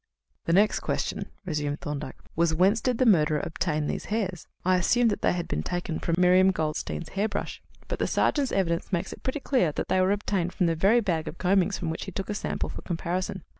"The next question," resumed Thorndyke, "was, Whence did the murderer obtain these hairs? I assumed that they had been taken from Miriam Goldstein's hair brush; but the sergeant's evidence makes it pretty clear that they were obtained from the very bag of combings from which he took a sample for comparison."